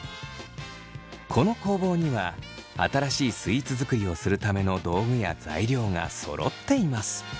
この工房には新しいスイーツ作りをするための道具や材料がそろっています。